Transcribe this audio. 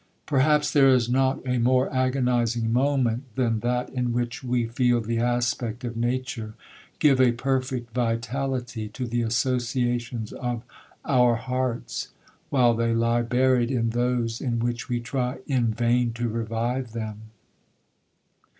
'Perhaps there is not a more agonizing moment than that in which we feel the aspect of nature give a perfect vitality to the associations of our hearts, while they lie buried in those in which we try in vain to revive them.